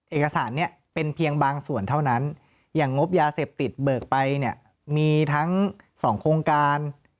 เอกสารเนี่ยเป็นเพียงบางส่วนเท่านั้นอย่างงบยาเสพติดเบิกไปเนี่ยมีทั้ง๒โครงการ